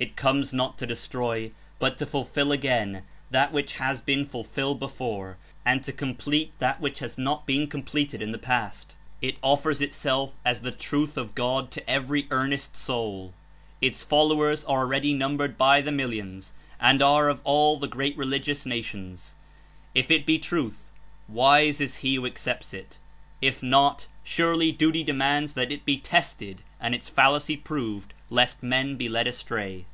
It comes not to destroy but to fulfil again that which has been fulfilled before and to complete that which has not been completed in the past. It offers itself as the Truth of God to every earnest soul ; its followers are already numbered by the millions and are of all the great religious na tions. If it be truth, wise Is he who accepts it; if not — surely duty demands that it be tested and Its fallacy proved lest men be led astray.